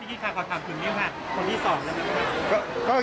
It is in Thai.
พี่คิดค่ะขอถามคุณนี่ค่ะคนที่สองแล้วมั้ยครับ